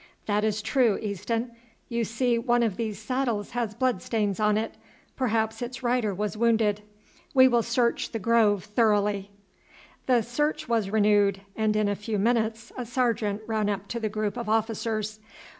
"That is true, Easton. You see one of these saddles has blood stains on it; perhaps its rider was wounded. We will search the grove thoroughly." The search was renewed, and in a few minutes a sergeant ran up to the group of officers.